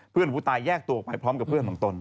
เพื่อนผู้ตายแยกตัวออกไปพร้อมกับเพื่อนของตน